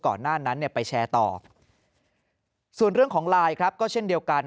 ก่อนหน้านั้นไปแชร์ต่อส่วนเรื่องของไลค์ก็เช่นเดียวกัน